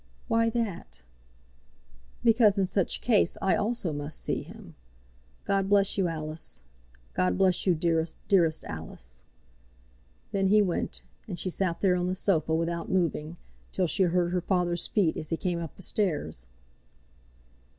"Why that?" "Because in such case I also must see him. God bless you, Alice! God bless you, dearest, dearest Alice!" Then he went, and she sat there on the sofa without moving, till she heard her father's feet as he came up the stairs.